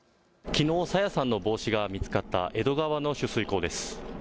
きのう、朝芽さんの帽子が見つかった江戸川の取水口です。